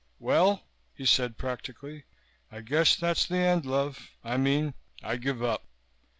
"Well," he said practically, "I guess that's the end, love. I mean, I give up."